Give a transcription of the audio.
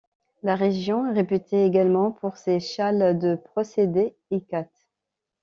La région est réputée également pour ses châles de procédé ikat.